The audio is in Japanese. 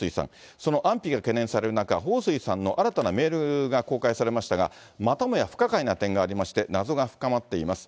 その安否が懸念される中、彭帥さんの新たなメールが公開されましたが、またもや不可解な点がありまして、謎が深まっています。